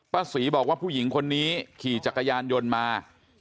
ศรีบอกว่าผู้หญิงคนนี้ขี่จักรยานยนต์มา